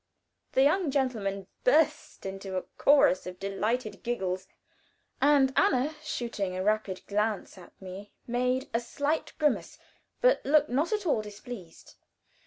The young gentlemen burst into a chorus of delighted giggles, and Anna, shooting a rapid glance at me, made a slight grimace, but looked not at all displeased.